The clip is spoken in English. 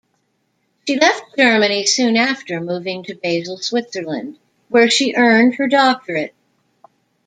She left Germany soon after, moving to Basel, Switzerland, where she earned her doctorate.